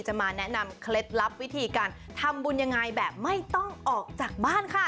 มาแนะนำเคล็ดลับวิธีการทำบุญยังไงแบบไม่ต้องออกจากบ้านค่ะ